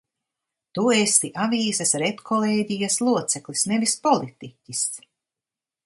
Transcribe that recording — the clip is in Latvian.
Tu esi avīzes redkolēģijas loceklis, nevis politiķis!